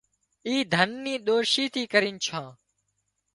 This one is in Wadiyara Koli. اِي ڌنَ ني ڏوشي ٿي ڪرينَ ڇان